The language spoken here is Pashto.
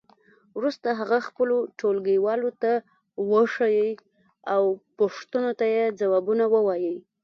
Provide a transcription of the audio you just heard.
وروسته هغه خپلو ټولګیوالو ته وښیئ او پوښتنو ته یې ځوابونه ووایئ.